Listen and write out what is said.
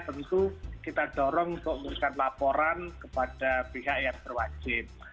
tentu kita dorong untuk memberikan laporan kepada pihak yang berwajib